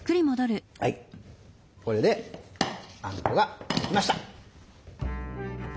はいこれであんこができました。